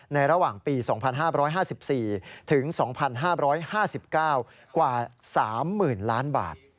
ในระหว่างปี๒๕๕๔๒๕๕๙กว่า๓๐๐๐๐๐๐๐บาท